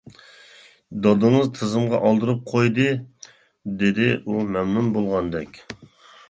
دادىڭىز تىزىمغا ئالدۇرۇپ قويدى-دېدى ئۇ مەمنۇن بولغاندەك.